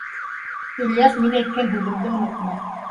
— Ильяс, мин әйткән һүҙемде онотма!